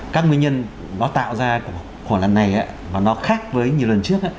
các nguyên nhân nó tạo ra cuộc khủng hoảng lần này và nó khác với nhiều lần trước